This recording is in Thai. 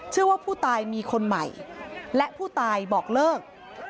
เชื่อว่าผู้ตายมีคนใหม่และผู้ตายบอกเลิก